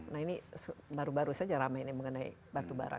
nah ini baru baru saja ramai ini mengenai batubara